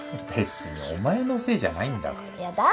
べつにお前のせいじゃないんだから。